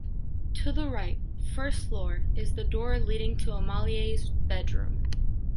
To the right, first floor, is the door leading to Amélie’s bedroom.